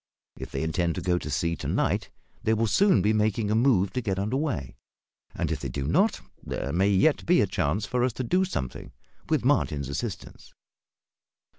If they intend to go to sea to night they will soon be making a move to get under way; and if they do not, there may yet be a chance for us to do something, with Martin's assistance."